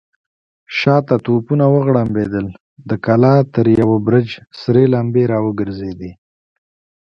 شاته توپونه وغړمبېدل، د کلا تر يوه برج سرې لمبې را وګرځېدې.